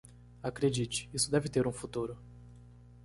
Acredite, isso deve ter um futuro